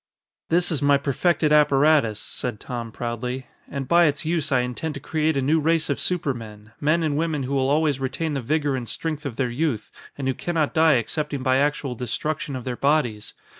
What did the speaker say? "This is my perfected apparatus," said Tom proudly, "and by its use I intend to create a new race of supermen, men and women who will always retain the vigor and strength of their youth and who can not die excepting by actual destruction of their bodies.